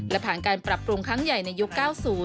และผ่านการปรับปรุงครั้งใหญ่ในยุค๙๐